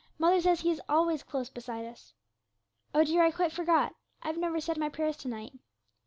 'Mother says He is always close beside us. Oh, dear, I quite forgot I've never said my prayers to night.'